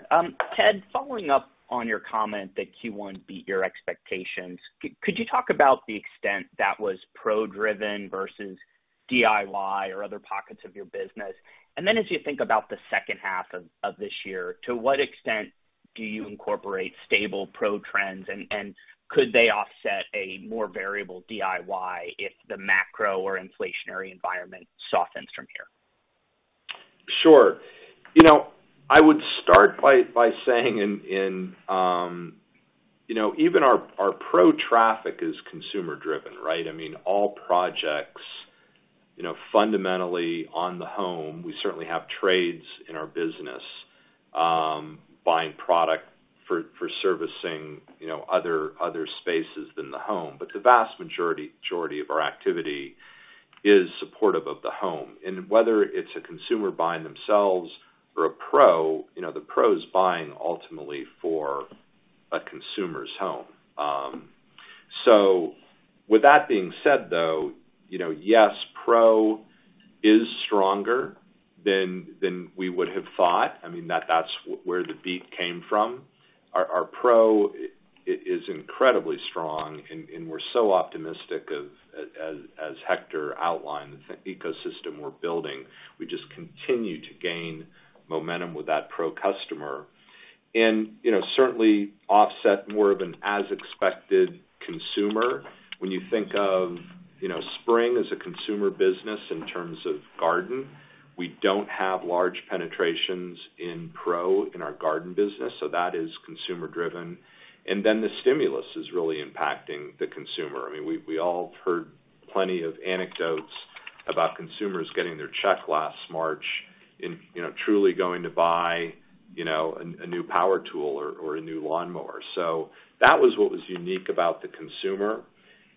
Ted, following up on your comment that Q1 beat your expectations, could you talk about the extent that was Pro-driven versus DIY or other pockets of your business? As you think about the second half of this year, to what extent do you incorporate stable Pro trends, and could they offset a more variable DIY if the macro or inflationary environment softens from here? Sure. You know, I would start by saying, you know, even our Pro traffic is consumer-driven, right? I mean, all projects, you know, fundamentally on the home, we certainly have trades in our business, buying product for servicing, you know, other spaces than the home. The vast majority of our activity is supportive of the home. Whether it's a consumer buying themselves or a pro, you know, the pro is buying ultimately for a consumer's home. With that being said, though, you know, yes, Pro is stronger than we would have thought. I mean, that's where the beat came from. Our Pro is incredibly strong and we're so optimistic of, as Hector outlined, the ecosystem we're building. We just continue to gain momentum with that Pro customer. You know, certainly offset more of an as-expected consumer. When you think of, you know, spring as a consumer business in terms of garden, we don't have large penetrations in pro in our garden business, so that is consumer-driven. Then the stimulus is really impacting the consumer. I mean, we all have heard plenty of anecdotes about consumers getting their check last March and, you know, truly going to buy, you know, a new power tool or a new lawnmower. That was what was unique about the consumer.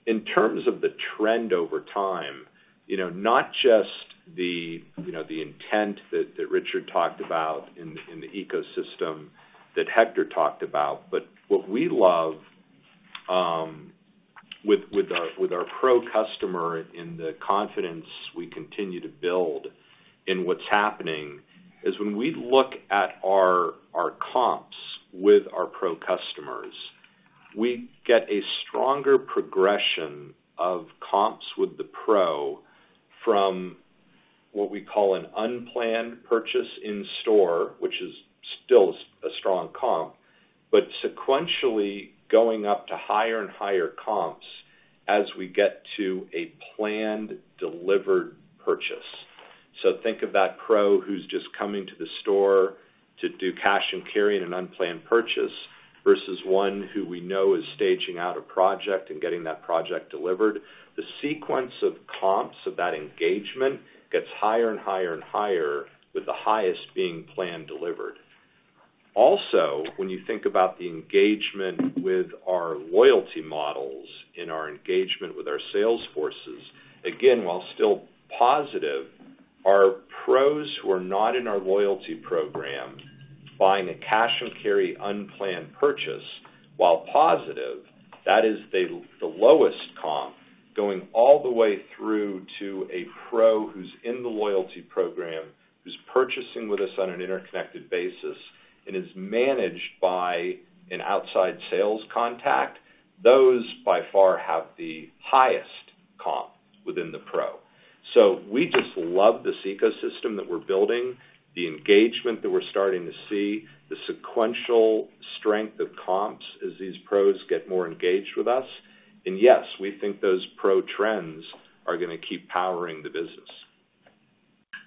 In terms of the trend over time, you know, not just the, you know, the intent that Richard talked about in the ecosystem that Hector talked about. What we love with our Pro customer and the confidence we continue to build in what's happening is when we look at our comps with our Pro customers, we get a stronger progression of comps with the Pro from what we call an unplanned purchase in store, which is still a strong comp. Sequentially, going up to higher and higher comps as we get to a planned delivered purchase. Think of that Pro who's just coming to the store to do cash and carry and an unplanned purchase versus one who we know is staging out a project and getting that project delivered. The sequence of comps of that engagement gets higher and higher and higher, with the highest being planned delivered. Also, when you think about the engagement with our loyalty models and our engagement with our sales forces, again, while still positive, our pros who are not in our loyalty program buying a cash-and-carry unplanned purchase, while positive, that is the lowest comp going all the way through to a pro who's in the loyalty program, who's purchasing with us on an interconnected basis and is managed by an outside sales contact. Those, by far, have the highest comp within the pro. So we just love this ecosystem that we're building, the engagement that we're starting to see, the sequential strength of comps as these pros get more engaged with us. Yes, we think those pro trends are gonna keep powering the business.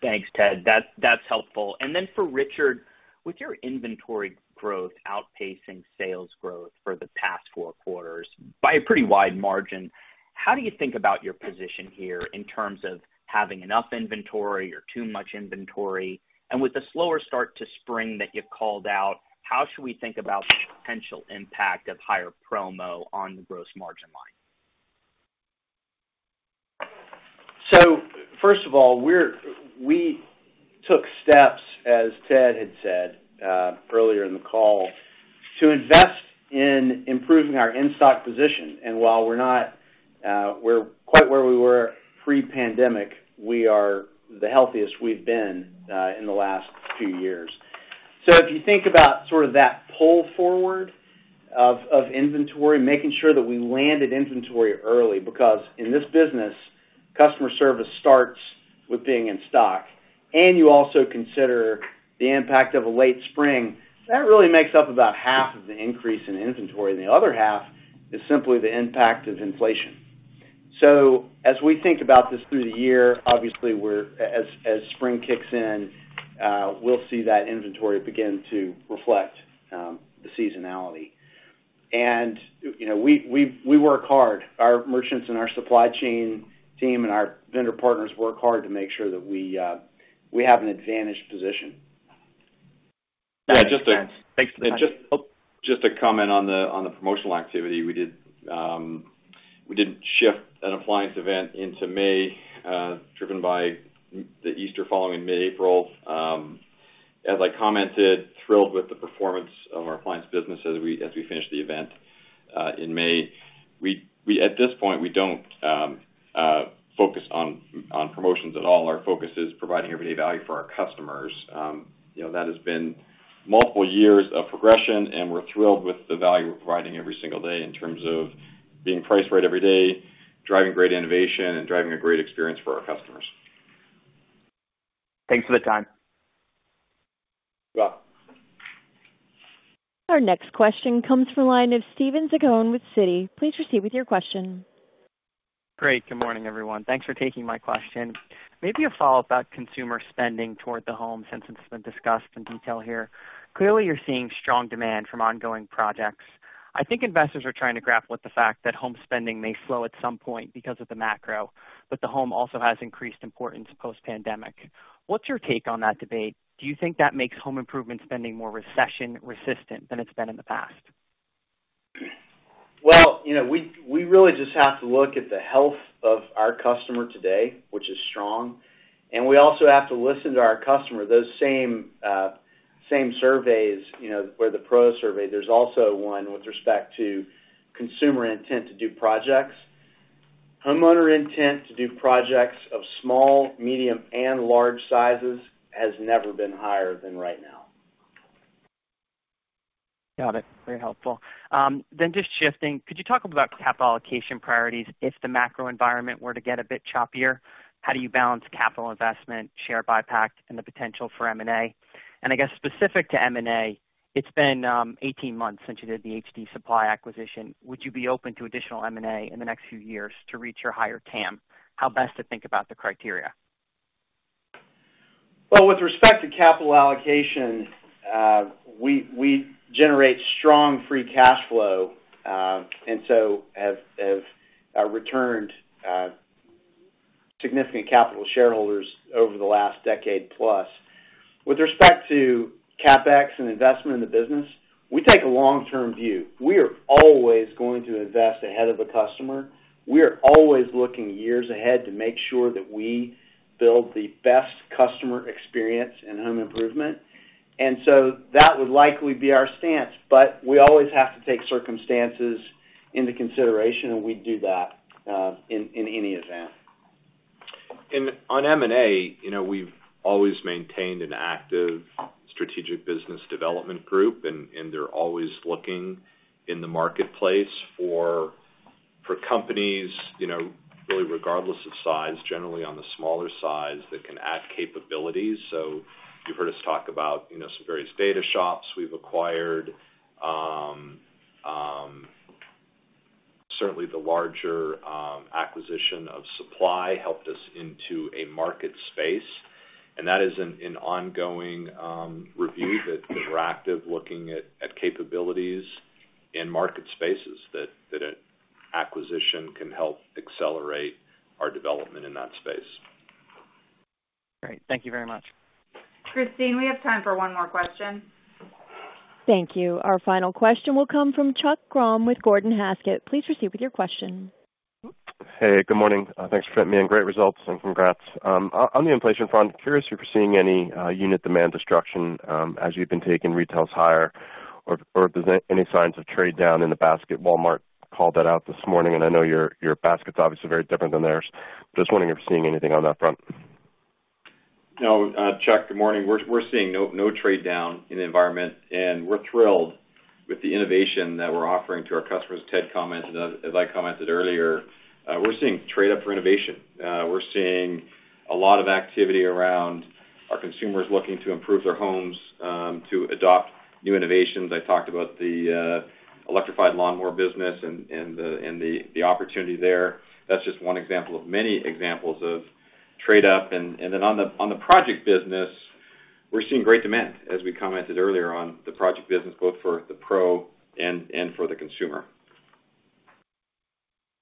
Thanks, Ted. That's helpful. For Richard, with your inventory growth outpacing sales growth for the past 4 quarters by a pretty wide margin, how do you think about your position here in terms of having enough inventory or too much inventory? With the slower start to spring that you've called out, how should we think about the potential impact of higher promo on the gross margin line? First of all, we took steps, as Ted had said, earlier in the call, to invest in improving our in-stock position. While we're not quite where we were pre-pandemic, we are the healthiest we've been in the last few years. If you think about that pull forward of inventory, making sure that we landed inventory early, because in this business, customer service starts with being in stock, and you also consider the impact of a late spring, that really makes up about half of the increase in inventory, and the other half is simply the impact of inflation. As we think about this through the year, obviously, as spring kicks in, we'll see that inventory begin to reflect the seasonality. You know, we work hard. Our merchants and our supply chain team and our vendor partners work hard to make sure that we have an advantaged position. Yeah, just to- Thanks for the time. Just to comment on the promotional activity. We did shift an appliance event into May, driven by the Easter fall in mid-April. As I commented, thrilled with the performance of our appliance business as we finish the event in May. At this point, we don't focus on promotions at all. Our focus is providing everyday value for our customers. You know, that has been multiple years of progression, and we're thrilled with the value we're providing every single day in terms of being priced right every day, driving great innovation, and driving a great experience for our customers. Thanks for the time. You're welcome. Our next question comes from the line of Steven Zaccone with Citi. Please proceed with your question. Great. Good morning, everyone. Thanks for taking my question. Maybe a follow-up about consumer spending toward the home, since it's been discussed in detail here. Clearly, you're seeing strong demand from ongoing projects. I think investors are trying to grapple with the fact that home spending may slow at some point because of the macro, but the home also has increased importance post-pandemic. What's your take on that debate? Do you think that makes home improvement spending more recession-resistant than it's been in the past? Well, you know, we really just have to look at the health of our customer today, which is strong. We also have to listen to our customer. Those same surveys, you know, where the Pro survey, there's also one with respect to consumer intent to do projects. Homeowner intent to do projects of small, medium, and large sizes has never been higher than right now. Got it. Very helpful. Just shifting, could you talk about capital allocation priorities if the macro environment were to get a bit choppier? How do you balance capital investment, share buyback, and the potential for M&A? I guess specific to M&A, it's been 18 months since you did the HD Supply acquisition. Would you be open to additional M&A in the next few years to reach your higher TAM? How best to think about the criteria? Well, with respect to capital allocation, we generate strong free cash flow, and so have returned significant capital to shareholders over the last decade plus. With respect to CapEx and investment in the business, we take a long-term view. We are always going to invest ahead of the customer. We are always looking years ahead to make sure that we build the best customer experience in home improvement. That would likely be our stance, but we always have to take circumstances into consideration, and we do that in any event. On M&A, you know, we've always maintained an active strategic business development group, and they're always looking in the marketplace for companies, you know, really regardless of size, generally on the smaller size that can add capabilities. You've heard us talk about, you know, some various data shops we've acquired. Certainly the larger acquisition of HD Supply helped us into a market space. That is an ongoing review that we're actively looking at capabilities in market spaces that an acquisition can help accelerate our development in that space. Great. Thank you very much. Christine, we have time for one more question. Thank you. Our final question will come from Chuck Grom with Gordon Haskett. Please proceed with your question. Hey, good morning. Thanks for fitting me in. Great results and congrats. On the inflation front, curious if you're seeing any unit demand destruction as you've been taking retails higher or if there's any signs of trade down in the basket. Walmart called that out this morning, and I know your basket's obviously very different than theirs. Just wondering if you're seeing anything on that front. No. Chuck, good morning. We're seeing no trade down in the environment, and we're thrilled with the innovation that we're offering to our customers. Ted commented, as I commented earlier, we're seeing trade up for innovation. We're seeing a lot of activity around our consumers looking to improve their homes, to adopt new innovations. I talked about the electrified lawnmower business and the opportunity there. That's just one example of many examples of trade up. Then on the project business, we're seeing great demand, as we commented earlier on the project business, both for the Pro and for the consumer.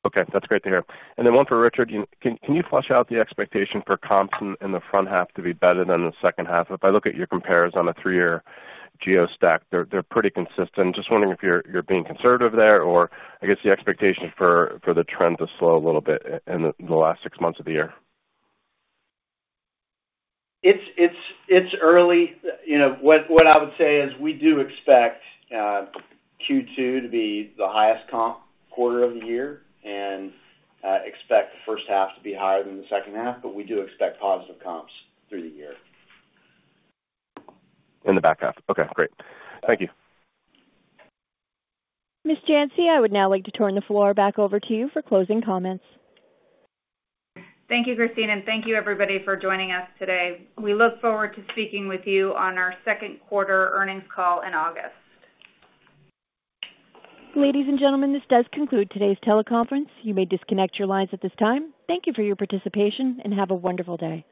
Okay. That's great to hear. One for Richard. Can you flesh out the expectation for comps in the front half to be better than the second half? If I look at your compares on a three-year geo stack, they're pretty consistent. Just wondering if you're being conservative there, or I guess the expectation for the trend to slow a little bit in the last six months of the year. It's early. You know, what I would say is we do expect Q2 to be the highest comp quarter of the year and expect the first half to be higher than the second half, but we do expect positive comps through the year. In the back half. Okay, great. Thank you. Ms. Janci, I would now like to turn the floor back over to you for closing comments. Thank you, Christine, and thank you everybody for joining us today. We look forward to speaking with you on our second quarter earnings call in August. Ladies and gentlemen, this does conclude today's teleconference. You may disconnect your lines at this time. Thank you for your participation, and have a wonderful day.